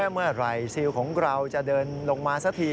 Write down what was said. เมื่อไหร่ซิลของเราจะเดินลงมาสักที